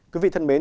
quý vị thân mến